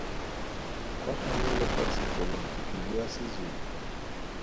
Kwa gae le kwa sekolong ke bua Sezulu.